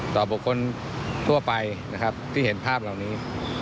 ต่อบุคคลทั่วไปที่เห็นภาพเหล่านี้